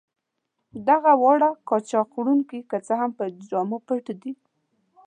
دغه واړه قاچاق وړونکي که څه هم په جامو پټ دي.